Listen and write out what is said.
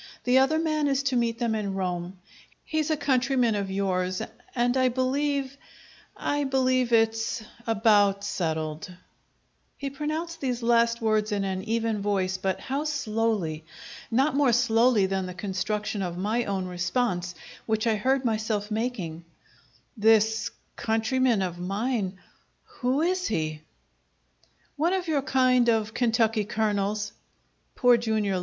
The other man is to meet them in Rome. He's a countryman of yours, and I believe I believe it's about settled!" He pronounced these last words in an even voice, but how slowly! Not more slowly than the construction of my own response, which I heard myself making: "This countryman of mine who is he?" "One of your kind of Kentucky Colonels," Poor Jr.